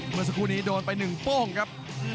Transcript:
เมื่อสักครู่นี้โดนไป๑โป้งครับ